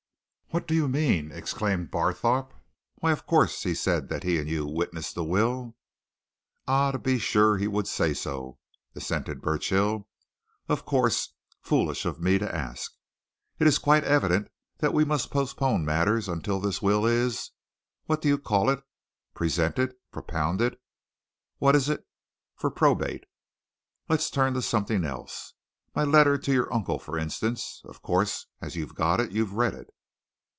"What do you mean!" exclaimed Barthorpe. "Why, of course, he said that he and you witnessed the will!" "Ah, to be sure, he would say so," assented Burchill. "Of course. Foolish of me to ask. It's quite evident that we must postpone matters until this will is what do you call it? presented, propounded what is it? for probate. Let's turn to something else. My letter to your uncle, for instance. Of course, as you've got it, you've read it."